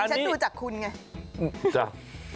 ดิฉันดูจากคุณไงอืมจ้ะฮ่า